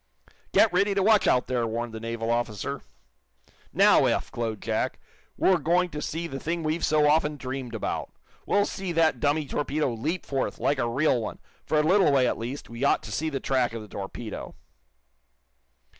"Get ready to watch, out there!" warned the naval officer. "Now, Eph," glowed Jack, "we're going to see the thing we've so often dreamed about! We'll see that dummy torpedo leap forth, like a real one. For a little way, at least, we ought to see the track of the torpedo."